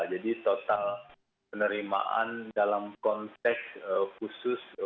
jadi total penerimaan dalam konteks khusus